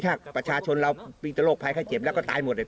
ถ้าประชาชนเรามีแต่โรคภัยไข้เจ็บแล้วก็ตายหมดเลย